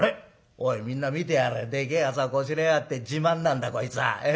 おいみんな見てやれでけえあざこしらえやがって自慢なんだこいつは。え？